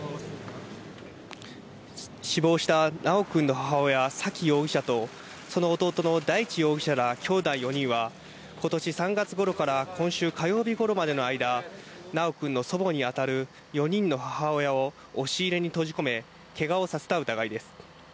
死亡した修君の母親・沙喜容疑者とその弟の大地容疑者らきょうだい４人はことし３月ごろから、今週火曜日ごろまでの間、修君の祖母にあたる４人の母親を押し入れに閉じ込め、けがをさせた疑いです。